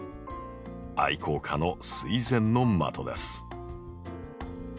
愛好家の垂涎の的です。